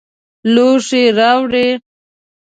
لوښي راوړئ